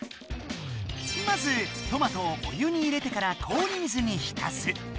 まずトマトをお湯に入れてから氷水にひたす。